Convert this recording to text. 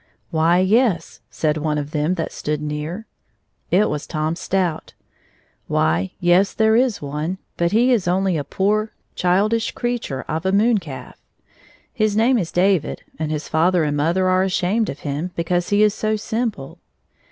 " Why, yes/' said one of them that stood near — it was Tom Stout. —" Why, yes, there is one, hut he is only a poor, childish creature of a moon calf. His name is David, and his father and mother are ashamed of him, hecause he is so simple."